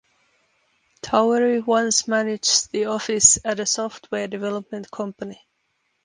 Towery once managed the office at a software development company.